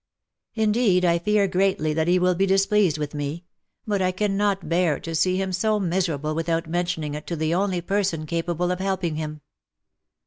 " Indeed I fear greatly that he will be displeased with me ; but I cannot bear to see him so miserable without mentioning it to the only person capable of helping him."